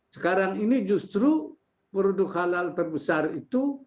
sekarang ini justru produk halal terbesar itu